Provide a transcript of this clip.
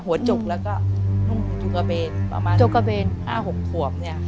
หัวจุกแล้วก็จุกกระเบนประมาณจุกกระเบนห้าหกขวบเนี้ย